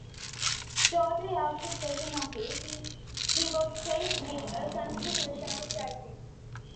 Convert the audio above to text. Shortly after taking office, he was faced with a constitutional crisis.